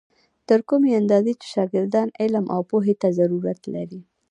تر کومې اندازې چې شاګردان علم او پوهې ته ضرورت لري.